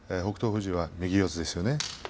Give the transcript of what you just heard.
富士は右四つですよね。